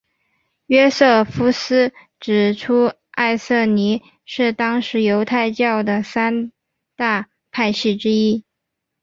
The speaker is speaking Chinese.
约瑟夫斯指出艾赛尼是当时犹太教的三大派系之一。